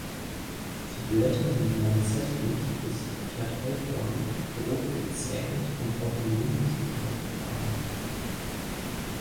Die Blätter sind lanzettlich bis verkehrt-eiförmig, grob gezähnt und auch im jungen Zustand kahl.